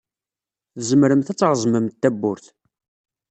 Tzemremt ad treẓmemt tawwurt.